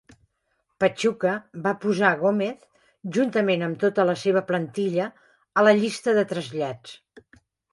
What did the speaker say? Pachuca va posar Gomez, juntament amb tota la seva plantilla, a la llista de trasllats.